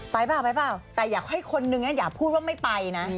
เปล่าไปเปล่าแต่อยากให้คนนึงอย่าพูดว่าไม่ไปนะ